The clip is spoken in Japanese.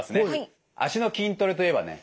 足の筋トレといえばね